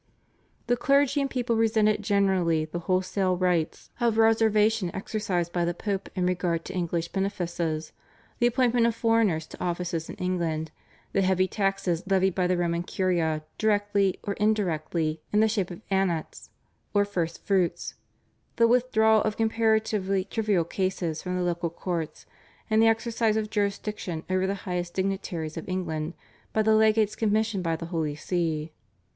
The clergy and people resented generally the wholesale rights of reservation exercised by the Pope in regard to English benefices, the appointment of foreigners to offices in England, the heavy taxes levied by the Roman Curia directly or indirectly in the shape of Annats or First Fruits, the withdrawal of comparatively trivial cases from the local courts, and the exercise of jurisdiction over the highest dignitaries of England by the legates commissioned by the Holy See.